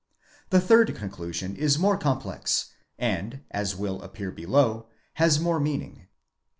The third conclusion is more complex, and, as will appear below, has more meaning.